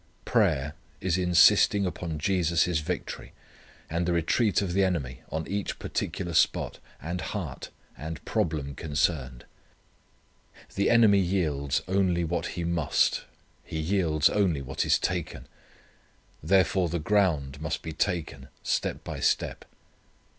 Prayer is insisting upon Jesus' victory, and the retreat of the enemy on each particular spot, and heart and problem concerned. The enemy yields only what he must. He yields only what is taken. Therefore the ground must be taken step by step.